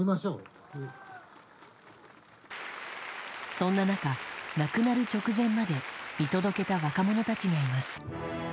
そんな中、亡くなる直前まで見届けた若者たちがいます。